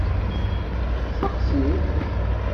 Steqsit!